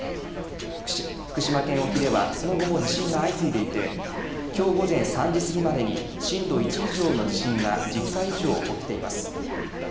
福島県沖ではその後も地震が相次いでいてきょう午前３時過ぎまでに震度１以上の地震が１０回以上、起きています。